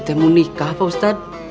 juta mau nikah pak ustad